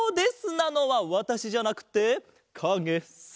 なのはわたしじゃなくてかげさ。